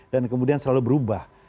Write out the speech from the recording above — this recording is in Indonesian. dan kemudian selalu berubah